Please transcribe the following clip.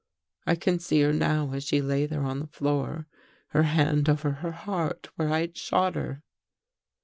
I can see her now as she lay there on the floor — her hand over her heart where I had shot her."